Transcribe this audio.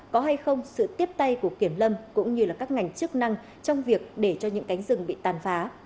có hay không sự tiếp tay của kiểm lâm cũng như các ngành chức năng trong việc để cho những cánh rừng bị tàn phá